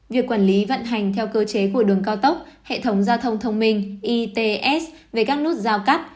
việc quản lý vận hành theo cơ chế của đường cao tốc hệ thống giao thông thông minh its về các nút giao cắt